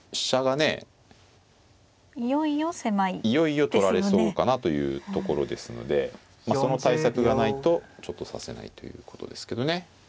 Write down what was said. いよいよ取られそうかなというところですのでまあその対策がないとちょっと指せないということですけどね。